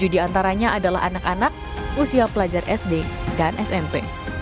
tujuh diantaranya adalah anak anak usia pelajar sd dan smp